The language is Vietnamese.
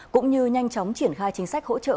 cũng như nhanh chóng triển khai chính sách hỗ trợ